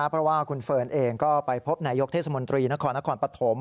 เพราะว่าคุณเฟิร์นเองก็ไปพบนายกเทศมนตรีนครนครปฐม